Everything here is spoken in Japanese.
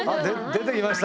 出てきました。